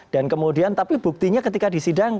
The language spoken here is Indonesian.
dan kemudian tapi buktinya ketika di sidang